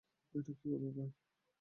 এটা কী করব, ভাই?